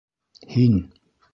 Һин!..